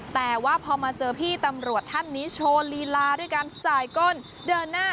แต่ว่าพอมาเจอพี่ตำรวจท่านนี้โชว์ลีลาด้วยการสายก้นเดินหน้า